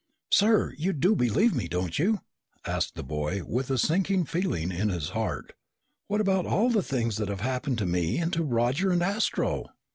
"Sir, you do believe me, don't you?" asked the boy with a sinking feeling in his heart. "What about all the things that have happened to me and to Roger and Astro?"